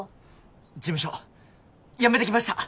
事務所辞めてきました。